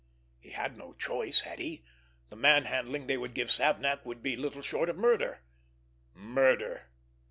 He had no choice, had he? The man handling they would give Savnak would be little short of murder. Murder!